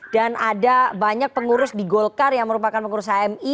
dan ada banyak pengurus di golkar yang merupakan pengurus ami